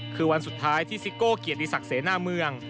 คือวันสุดท้ายที่ซิโก้เกียรติศักดิ์เสนาเมือง